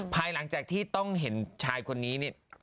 พายหลังจากที่ต้องเห็นชายคนนี้